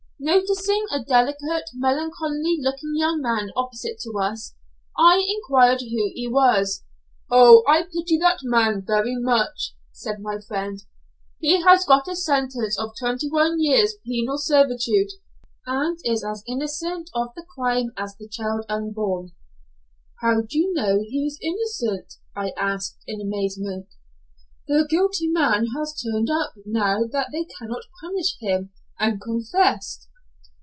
Noticing a delicate, melancholy looking young man opposite to us, I enquired who he was. "O! I pity that man very much," said my friend. "He has got a sentence of twenty one years' penal servitude, and is as innocent of the crime as the child unborn." "How do you know he is innocent?" I asked, in amazement. "The guilty man has turned up, now that they cannot punish him, and confessed."